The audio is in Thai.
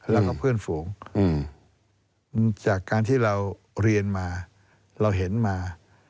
แล้วก็เพื่อนฝูงจากการที่เราเรียนมาเราเห็นมา